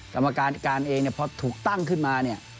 กรรมการการเองเนี่ยพอถูกตั้งขึ้นมาเนี่ย